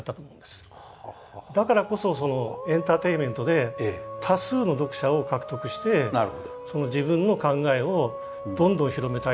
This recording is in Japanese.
だからこそエンターテインメントで多数の読者を獲得して自分の考えをどんどん広めたい。